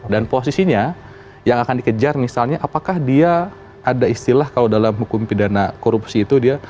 dan posisinya yang akan dikejar misalnya apakah dia ada istilah kalau dalam hukum pidana korupsi itu dia